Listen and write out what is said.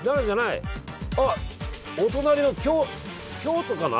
あっお隣の京京都かな？